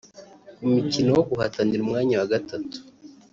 Ku mukino wo guhatanira umwanya wa gatatu